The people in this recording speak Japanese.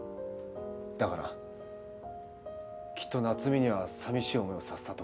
だからきっと夏美には寂しい思いをさせたと思う。